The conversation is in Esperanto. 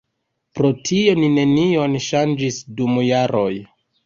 Pro tio ni nenion ŝanĝis dum jaroj.